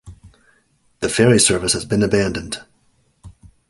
The ferry service has been abandoned.